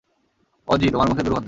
Aussie, তোমার মুখে দুর্গন্ধ!